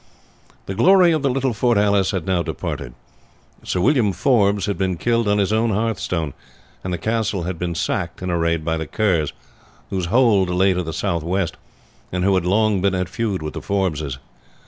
The glory of the little fortalice had now departed. Sir William Forbes had been killed on his own hearthstone, and the castle had been sacked in a raid by the Kerrs, whose hold lay to the southwest, and who had long been at feud with the Forbeses.